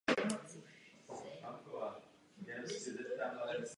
To nebyla námitka, ale chce pan komisař odpovědět na otázku?